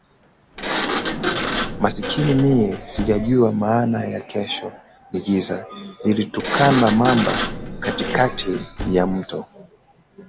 Masikini mie sikujua maana ya kesho ni giza, nilitukana mamba katikati ya mto